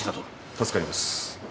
助かります。